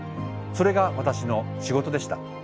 それが私の仕事でした。